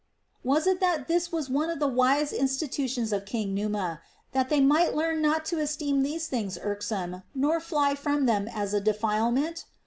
Was it that this was one of the wise institu tions of King Nuraa, that they might learn not to esteem these things irksome nor fly from them as a defilement